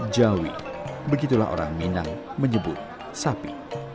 jauhi begitulah orang minang menyebut sapi